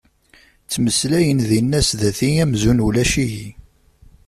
Ttmeslayen dinna sdat-i amzun ulac-iyi.